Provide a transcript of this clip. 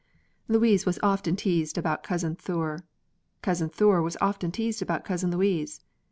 Louise was often teased about Cousin Thure; Cousin Thure was often teased about Cousin Louise.